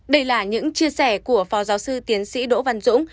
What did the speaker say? đây là những chia sẻ của phó giáo sư tiến sĩ đỗ văn dũng